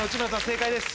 正解です。